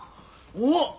おっ！